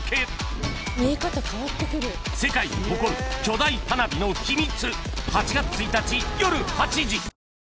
［世界に誇る巨大花火の秘密］